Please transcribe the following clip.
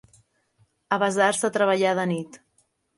Avesar-se a treballar de nit.